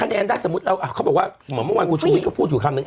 ได้สมมุติเราอ่ะเขาบอกว่าหมอโมงวานครูชุวิกเขาพูดถึงคำหนึ่ง